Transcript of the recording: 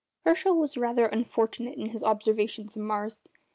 Herschel was rather unfortunate in his observations of Mars.